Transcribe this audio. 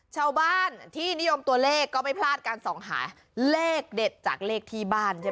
ชาวบ้านที่นิยมตัวเลขก็ไม่พลาดการส่องหาเลขเด็ดจากเลขที่บ้านใช่ไหม